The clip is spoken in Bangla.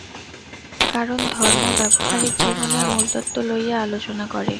কারণ ধর্ম ব্যবহারিক জীবনের মূলতত্ত্ব লইয়া আলোচনা করে।